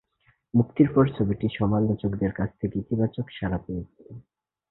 মুক্তির পর ছবিটি সমালোচকদের কাছ থেকে ইতিবাচক সাড়া পেয়েছে।